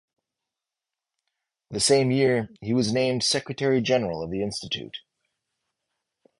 The same year, he was named secretary general of the institute.